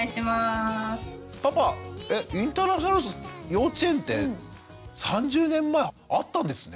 パパインターナショナル幼稚園って３０年前あったんですね？